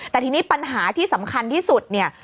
แต่ทีนี้ปัญหาที่สำคัญที่สุดเนี่ย